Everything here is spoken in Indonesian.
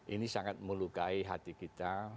ini sangat melukai hati kita